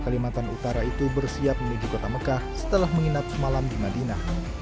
kalimantan utara itu bersiap menuju kota mekah setelah menginap semalam di madinah